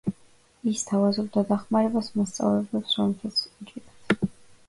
ის სთავაზობდა დახმარებას მასწავლებლებს რომლებსაც უჭირდათ.